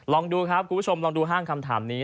ลองดูครับคุณผู้ชมลองดูห้างคำถามนี้